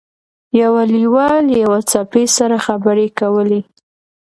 یو لیوه له یوه سپي سره خبرې کولې.